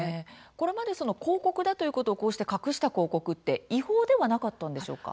これまで広告だということをこうして隠した広告って違法ではなかったんでしょうか？